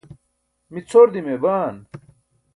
mi cʰor dimee baan